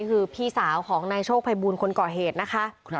คือพี่สาวของนายโชคภัยบูลคนก่อเหตุนะคะ